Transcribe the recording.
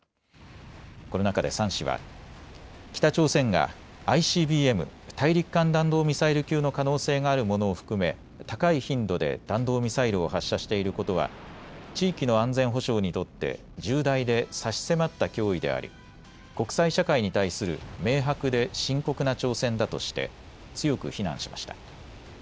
この中で３氏は北朝鮮がＩＣＢＭ・大陸間弾道ミサイル級の可能性があるものを含め高い頻度で弾道ミサイルを発射していることは地域の安全保障にとって重大で差し迫った脅威であり国際社会に対する明白で深刻な挑戦だとして強く非難しました。